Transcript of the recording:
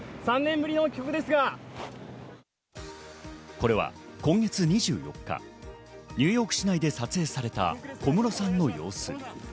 これは今月２４日、ニューヨーク市内で撮影された小室さんの様子。